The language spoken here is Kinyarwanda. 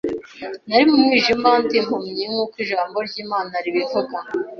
Nari mu mwijima, ndi impumyi nk’uko ijambo ry’Imana ribivuga.